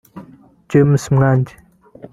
James Mwangi